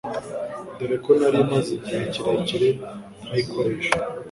dore ko nari maze igihe kirekire ntayikoresha